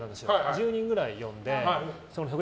１０人ぐらい呼んで。